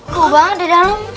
kau banget di dalam